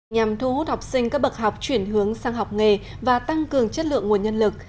nhằm thu hút học sinh các bậc học chuyển hướng sang học nghề và tăng cường chất lượng nguồn nhân lực